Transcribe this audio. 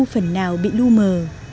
phần nào bị lưu mờ